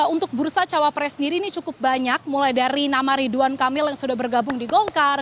untuk bursa cawapres sendiri ini cukup banyak mulai dari nama ridwan kamil yang sudah bergabung di golkar